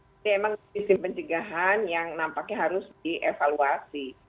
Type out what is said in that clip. ini memang sistem pencegahan yang nampaknya harus dievaluasi